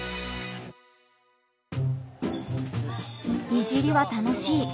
「いじりは楽しい」。